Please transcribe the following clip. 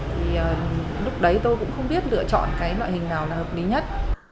thì lúc đấy tôi cũng không biết lựa chọn cái loại hình nào là hợp lý nhất